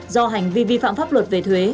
do hành vi vi phạm pháp luật về thuế